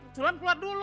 julan keluar dulu